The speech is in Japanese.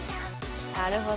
なるほど。